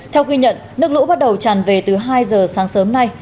theo ghi nhận nước lũ bắt đầu tràn về từ hai giờ sáng sớm nay